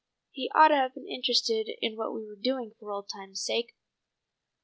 He ought to have been interested in what we were doing for old times' sake."